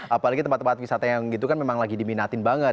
apalagi tempat tempat wisata yang gitu kan memang lagi diminatin banget